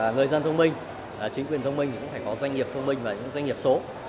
người dân thông minh chính quyền thông minh cũng phải có doanh nghiệp thông minh và những doanh nghiệp số